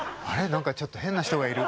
何かちょっと変な人がいる。